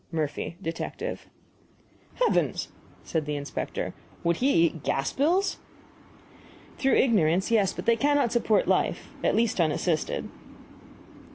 MURPHY, Detective. "Heavens!" said the inspector; "would he eat gas bills?" "Through ignorance yes; but they cannot support life. At least, unassisted."